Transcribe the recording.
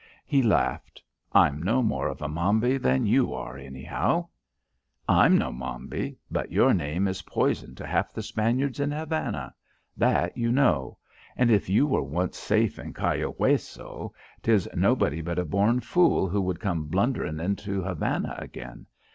He laughed. "I'm no more of a mambi than you are, anyhow." "I'm no mambi. But your name is poison to half the Spaniards in Havana. That you know. And if you were once safe in Cayo Hueso, 'tis nobody but a born fool who would come blunderin' into Havana again.